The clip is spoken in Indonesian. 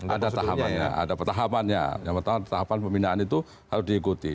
ada tahapannya ada tahapannya yang pertama tahapan pembinaan itu harus diikuti